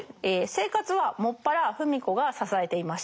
生活は専ら芙美子が支えていました。